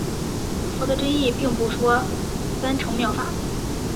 佛的真意并不再说三乘妙法。